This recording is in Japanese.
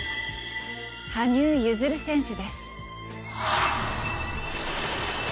羽生結弦選手です。